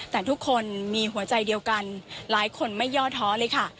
แต่ทุกคนมีหัวใจเดียวกันหลายคนไม่ย่อท้อเลยค่ะ